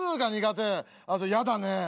やだね。